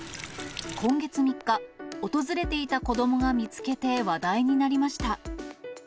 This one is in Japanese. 今月３日、訪れていた子どもが見つけて話題になりました。